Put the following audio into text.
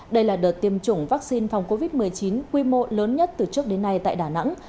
đây là đợt tiêm chủng vaccine phòng covid một mươi chín quy mô lớn nhất từ trước đến nay tại đà nẵng